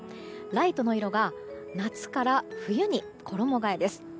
ライトの色が夏から冬に衣替えです。